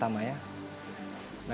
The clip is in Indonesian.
kamar utama ya